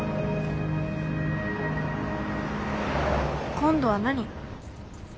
今度は何？